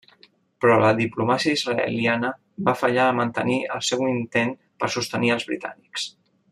Però la diplomàcia israeliana va fallar a mantenir el seu intent per sostenir als britànics.